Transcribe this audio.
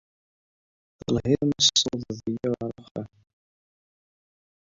Telhiḍ ma tessawḍeḍ-iyi ar uxxam.